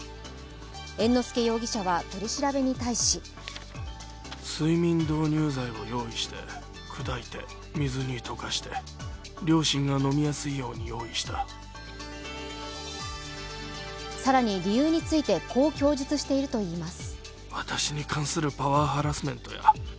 猿之助容疑者は取り調べに対し更に理由についてこう供述しているといいます。